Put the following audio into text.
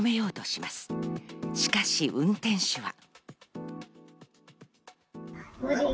しかし運転手は。